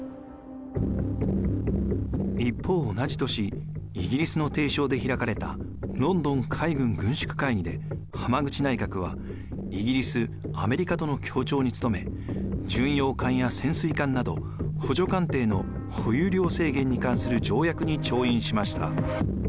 一方同じ年イギリスの提唱で開かれたロンドン海軍軍縮会議で浜口内閣はイギリスアメリカとの協調につとめ巡洋艦や潜水艦など補助艦艇の保有量制限に関する条約に調印しました。